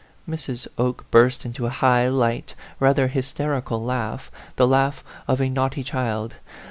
Mrs. Oke burst into a high, light, rather hysterical laugh, the laugh of a naughty child.